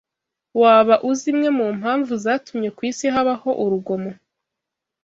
Waba uzi imwe mu mpamvu zatumye ku isi habaho urugomo